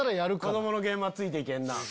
子供のゲームはついていけんな。